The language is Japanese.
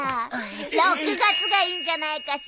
６月がいいんじゃないかしら？